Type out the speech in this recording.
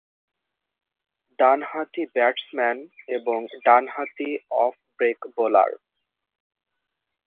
ডানহাতি ব্যাটসম্যান এবং ডানহাতি অফ ব্রেক বোলার।